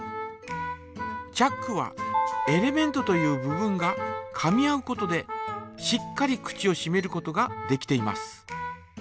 チャックはエレメントという部分がかみ合うことでしっかり口をしめることができています。